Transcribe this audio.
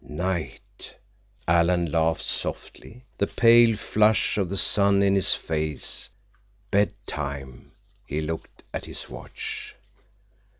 Night! Alan laughed softly, the pale flush of the sun in his face. Bedtime! He looked at his watch.